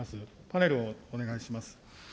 パネルをお願いします。